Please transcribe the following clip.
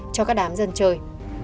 cảm ơn các đám dân chơi